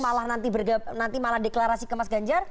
malah nanti malah deklarasi ke mas ganjar